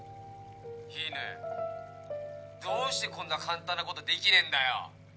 乾どうしてこんな簡単なことできねえんだよ？